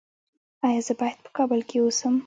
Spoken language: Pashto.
ایا زه باید په کابل کې اوسم؟